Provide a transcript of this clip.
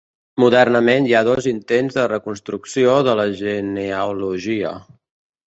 Modernament hi ha dos intents de reconstrucció de la genealogia.